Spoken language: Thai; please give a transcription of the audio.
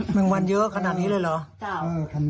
แมลงวันเยอะขนาดนี้เลยหรอ